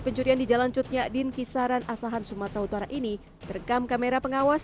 pencurian di jalan cutnya din kisaran asahan sumatera utara ini terekam kamera pengawas